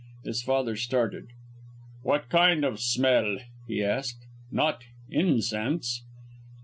His father started. "What kind of smell?" he asked. "Not incense?"